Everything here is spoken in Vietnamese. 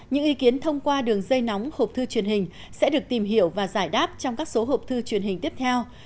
những ý kiến thông qua đường dây nóng hộp thư truyền hình sẽ được tìm hiểu và giải đáp trong các số hộp thư truyền hình tiếp theo